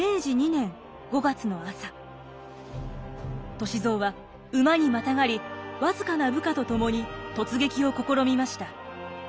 歳三は馬にまたがり僅かな部下と共に突撃を試みました。